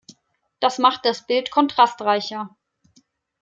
Das macht das Bild kontrastreicher.